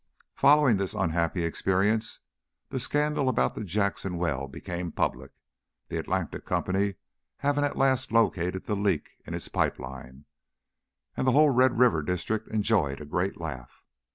Following this unhappy experience, the scandal about the Jackson well became public the Atlantic Company having at last located the leak in its pipe line and the whole Red River district enjoyed a great laugh.